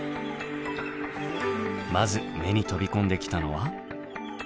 まず目に飛び込んできたのは。